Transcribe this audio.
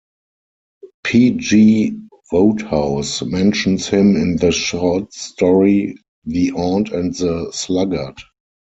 P. G. Wodehouse mentions him in the short story The Aunt and the Sluggard.